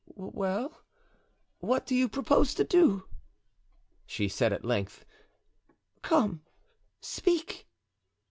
"Well, what do you propose to do?" she, said at length; "come, speak."